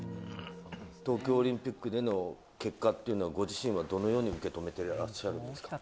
東京オリンピックでの結果っていうのは、ご自身はどのように受け止めてらっしゃるんですか。